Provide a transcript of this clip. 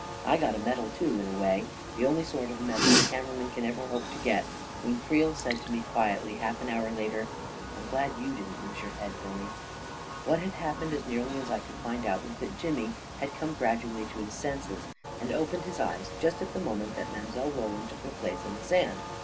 I got a medal too, in a way — the only sort of medal a camera* man can ever hope to get — when Creel said to me quietly, half an hour later, " I'm glad you didn't lose your head, Billy !" What had happened, as nearly as I could find out, was that Jimmy had come gradually to his senses, and opened his eyes just at the moment that Mile. Roland took her place on the sand.